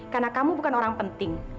karena kamu bukan orang penting